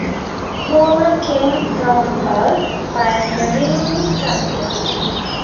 Homer came from a pioneering family.